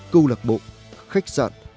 câu lạc bộ khách sạn